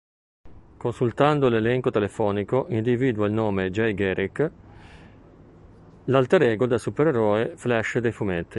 Consultando l'elenco telefonico individua il nome "Jay Garrick", l'alterego del supereroe Flash dei fumetti.